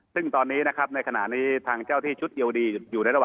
ซึ่งตอนนี้นะครับในขณะนี้ทางเจ้าที่ชุดอีย